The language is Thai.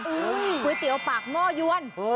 ก๋วยเตี๋ยวปากหม้อยวน